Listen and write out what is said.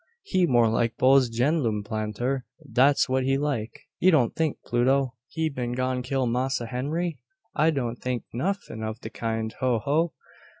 He more like bos gen'lum planter. Dat's what he like." "You don't tink, Pluto, he been gone kill Massa Henry?" "I doan't tink nuffin ob de kind. Ho, ho!